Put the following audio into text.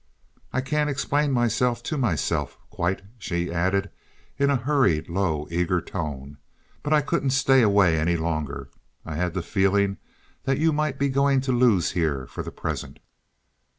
"I can't explain myself to myself quite," she added, in a hurried low, eager tone, "but I couldn't stay away any longer. I had the feeling that you might be going to lose here for the present.